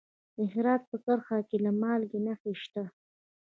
د هرات په کرخ کې د مالګې نښې شته.